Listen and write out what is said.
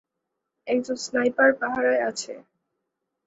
একজন স্নাইপার পাহারায় আছে।